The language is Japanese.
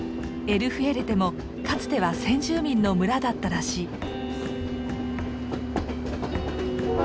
エル・フエルテもかつては先住民の村だったらしい。